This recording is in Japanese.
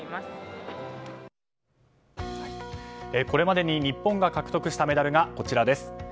これまでに日本が獲得したメダルがこちらです。